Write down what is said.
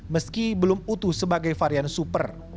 meski belum utuh sebagai varian super